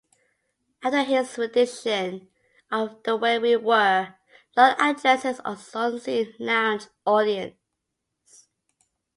After his rendition of "The Way We Were", Lorne addresses an unseen lounge audience.